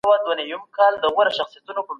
هیڅوک باید د خپلي مورنۍ ژبي په خاطر سپک نه سي.